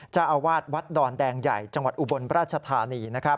เจ้าอาวาสวัดดอนแดงใหญ่จังหวัดอุบลราชธานี